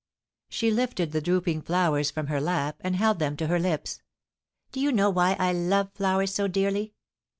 * She lifted the drooping flowers from her lap and held them to her lips. *Do you know why I love flowers so dearly?